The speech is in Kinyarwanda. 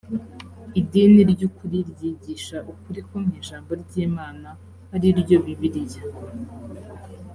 idini ry ukuri ryigisha ukuri ko mu ijambo ry imana ari ryo bibiliya